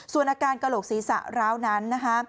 ส่วนอาการกะโหลกศีรษะร้านั้น